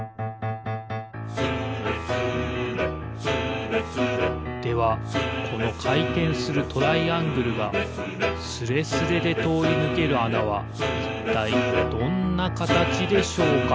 「スレスレスーレスレ」ではこのかいてんするトライアングルがスレスレでとおりぬけるあなはいったいどんなかたちでしょうか？